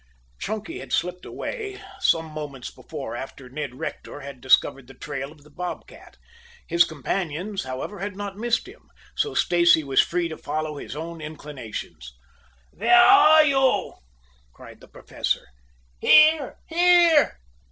Chunky had slipped away some moments before, after Ned Rector had discovered the trail of the bob cat. His companions, however, had not missed him, so Stacy was free to follow his own inclinations. "Where are you?" cried the Professor. "Here! here!"